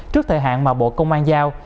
trước thời hạn mà bộ công an giao